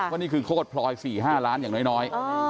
ว่านี่คือโคตรพลอย๔๕ล้านอย่างน้อย